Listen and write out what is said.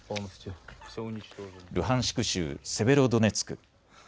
ルハンシク州セベロドネツク。